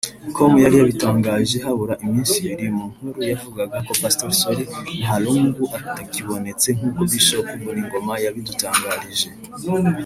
com yari yabitangaje habura iminsi ibiri mu nkuru yavugaga ko Pastor Solly Mahlangu atakibonetse nkuko Bishop Vuningoma yabidutangarije